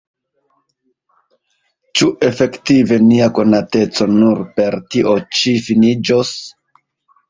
Ĉu efektive nia konateco nur per tio ĉi finiĝos?